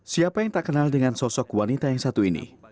siapa yang tak kenal dengan sosok wanita yang satu ini